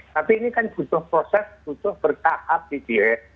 tapi ini kan butuh proses butuh bertahap gitu ya